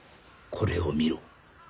これを見ろ。